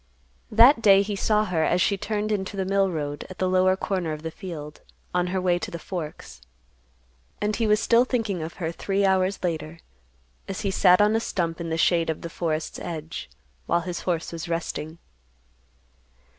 That day he saw her as she turned into the mill road at the lower corner of the field, on her way to the Forks. And he was still thinking of her three hours later, as he sat on a stump in the shade of the forest's edge, while his horse was resting.